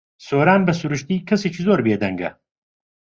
سۆران بە سروشتی کەسێکی زۆر بێدەنگە.